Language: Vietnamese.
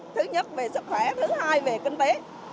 thứ nhất về sức khỏe thứ hai về kinh tế